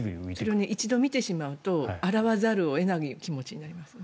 それを一度見てしまうと洗わざるを得ない感じになります。